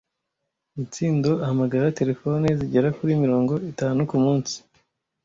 Mitsindo ahamagara terefone zigera kuri mirongo itanu kumunsi.